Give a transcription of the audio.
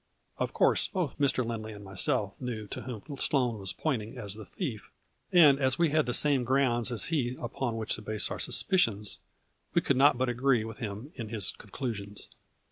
Of course both Mr. Lindley and myself knew to whom Sloane was pointing as the thief, and as we had the same grounds as he upon which to base our suspicions, we could not but agree with him in his conclusions.